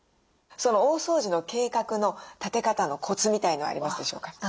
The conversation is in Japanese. その大掃除の計画の立て方のコツみたいのはありますでしょうか？